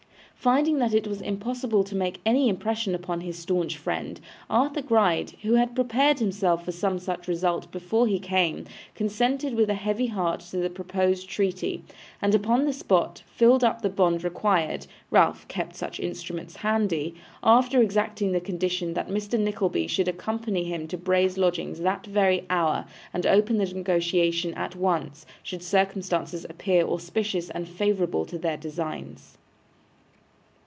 Finding that it was impossible to make any impression upon his staunch friend, Arthur Gride, who had prepared himself for some such result before he came, consented with a heavy heart to the proposed treaty, and upon the spot filled up the bond required (Ralph kept such instruments handy), after exacting the condition that Mr. Nickleby should accompany him to Bray's lodgings that very hour, and open the negotiation at once, should circumstances appear auspicious and favourable to their designs.